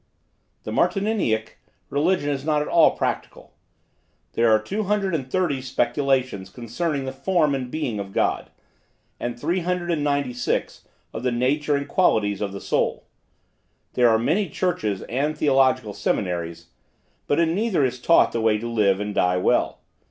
The Martinianic religion is not at all practical. There are two hundred and thirty speculations concerning the form and being of God, and three hundred and ninety six of the nature and qualities of the soul. There are many churches and theological seminaries, but in neither is taught the way to live and die well.